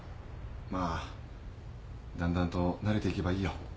まあだんだんと慣れていけばいいよ。